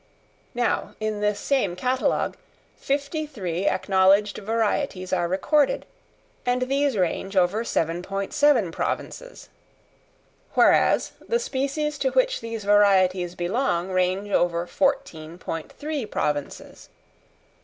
Now, in this same catalogue, fifty three acknowledged varieties are recorded, and these range over 7.7 provinces; whereas, the species to which these varieties belong range over 14.3 provinces.